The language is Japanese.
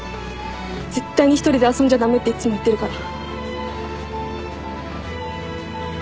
絶対に一人で遊んじゃ駄目っていつも言ってるから。